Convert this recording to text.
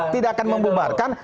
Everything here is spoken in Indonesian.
tidak akan membubarkan